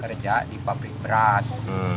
kerja di pabrik beras